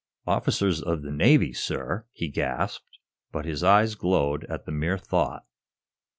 "Officers of the Navy, sir!" he gasped, but his eyes glowed at the mere thought.